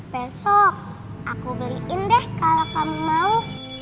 besok aku beliin deh kalau kamu mau